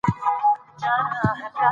امیر محمد یعقوب خان بندي سوی وو.